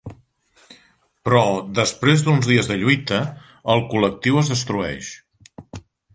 Però, després d'uns dies de lluita, el Col·lectiu es destrueix.